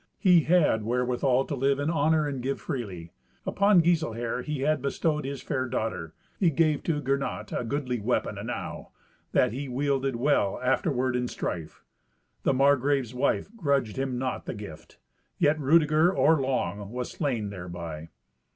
He had wherewithal to live in honour and give freely. Upon Giselher he had bestowed his fair daughter. He gave to Gernot a goodly weapon enow, that he wielded well afterward in strife. The Margrave's wife grudged him not the gift, yet Rudeger, or long, was slain thereby.